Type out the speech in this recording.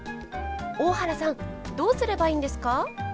大原さんどうすればいいんですか？